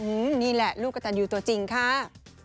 นี่แหละลูกกระตันยูตัวจริงค่ะ